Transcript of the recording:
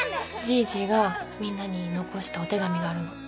「じいじがみんなに残したお手紙があるの」